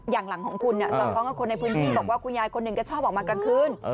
อย่างหลังของคุณสอดคล้องกับคนในพื้นที่บอกว่าคุณยายคนหนึ่งก็ชอบออกมากลางคืน